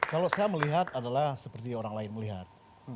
kalau saya melihat adalah seperti orang lain melihat